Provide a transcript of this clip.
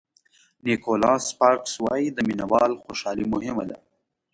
نیکولاس سپارکز وایي د مینه وال خوشالي مهمه ده.